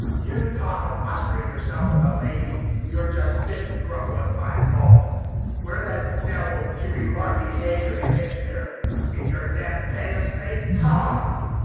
"You talk of mustering yourself with a lady you're just fit to grumble and find fault. Where the devil should you larn behavior and dictionary? in your damned Bay of State, ha?"